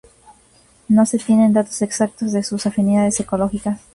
No se tienen datos exactos de sus afinidades ecológicas.